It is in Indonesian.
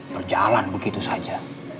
berjalan begitu saja